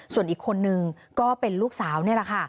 ส่วนอีกคนนึงก็เป็นลูกสาวนี่แหละค่ะ